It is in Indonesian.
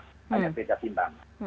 hanya beda timbangan